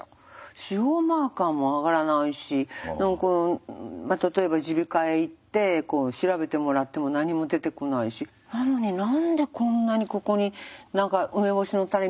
腫瘍マーカーも上がらないし例えば耳鼻科へ行って調べてもらっても何も出てこないしなのに何でこんなにここに何か梅干しの種みたいなのが入った感じ。